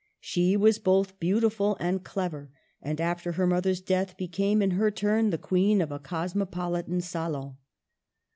She was both beautiful and clever, and, after her mother's death, bepame, in her turn, the queen of a cosifiopolitan salon.